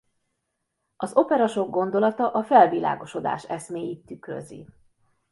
Az opera sok gondolata a felvilágosodás eszméit tükrözi.